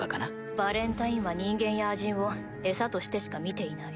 ヴァレンタインは人間や亜人を餌としてしか見ていない。